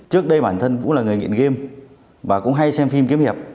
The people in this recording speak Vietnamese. trước đây bản thân vũ là người nghiện game và cũng hay xem phim kiếm hiệp